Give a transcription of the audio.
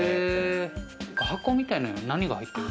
箱みたいのは何が入ってる？